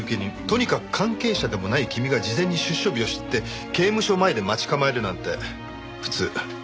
とにかく関係者でもない君が事前に出所日を知って刑務所前で待ち構えるなんて普通出来っこない。